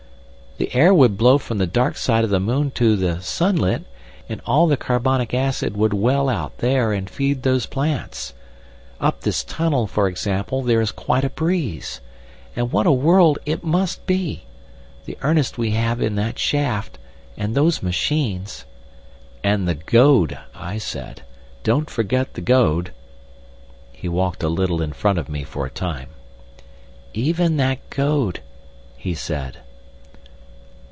The air would blow from the dark side of the moon to the sunlit, and all the carbonic acid would well out there and feed those plants. Up this tunnel, for example, there is quite a breeze. And what a world it must be. The earnest we have in that shaft, and those machines—" "And the goad," I said. "Don't forget the goad!" He walked a little in front of me for a time. "Even that goad—" he said.